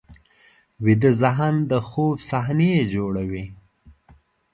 ویده ذهن د خوب صحنې جوړوي